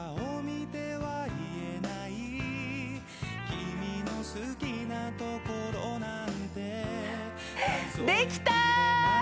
「君の好きなところなんて」できた！